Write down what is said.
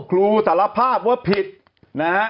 สารภาพว่าผิดนะฮะ